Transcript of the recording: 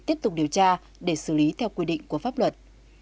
tiếp tục điều tra để xử lý theo quy định của pháp luật